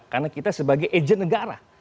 karena kita sebagai agent negara